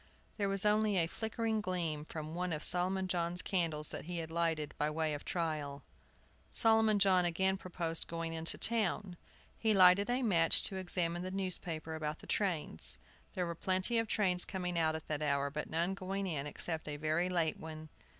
There was only a flickering gleam from one of Solomon John's candles that he had lighted by way of trial. Solomon John again proposed going into town. He lighted a match to examine the newspaper about the trains. There were plenty of trains coming out at that hour, but none going in except a very late one.